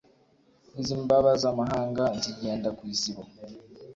iz'imbabazamahanga nzigenda ku isibo,